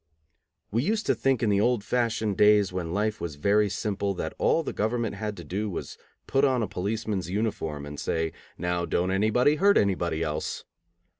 We used to think in the old fashioned days when life was very simple that all that government had to do was to put on a policeman's uniform, and say, "Now don't anybody hurt anybody else."